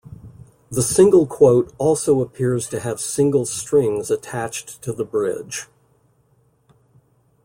The ' also appears to have single strings attached to the bridge.